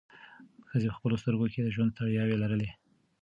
ښځې په خپلو سترګو کې د ژوند ستړیاوې لرلې.